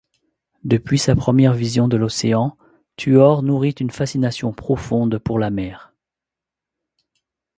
Depuis sa première vision de l'océan, Tuor nourrit une fascination profonde pour la mer.